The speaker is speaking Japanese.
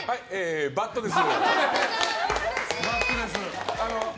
バッドです。